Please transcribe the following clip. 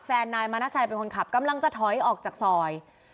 แฟนนายมานาชัยมันขับกำลังจะถอยออกจากซอย